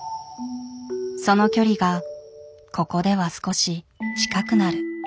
その距離がここでは少し近くなる。